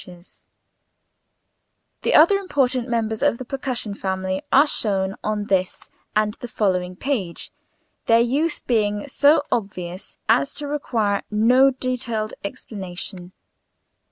] The other important members of the percussion family are shown on this and the following page, their use being so obvious as to require no detailed explanation.